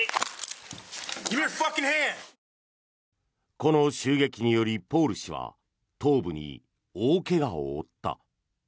この襲撃により、ポール氏は頭部に大怪我を負った。